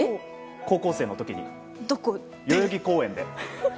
高校生の時に、代々木公園で。